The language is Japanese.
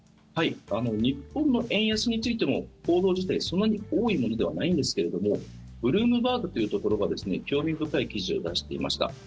日本の円安についても報道自体、そんなに多いものではないんですけれどもブルームバーグというところが興味深い記事を出していました。